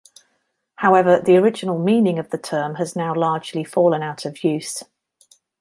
However the original meaning of the term has now largely fallen out of use.